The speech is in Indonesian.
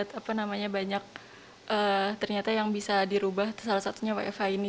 kita dari corona ini kita melihat banyak ternyata yang bisa di rubah salah satunya wfh ini